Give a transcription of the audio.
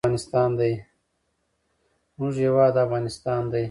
زموږ هیواد افغانستان دی.